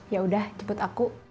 yaudah jeput aku